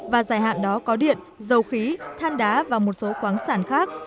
và dài hạn đó có điện dầu khí than đá và một số khoáng sản khác